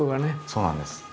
そうなんです。